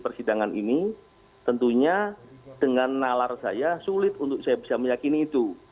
persidangan ini tentunya dengan nalar saya sulit untuk saya bisa meyakini itu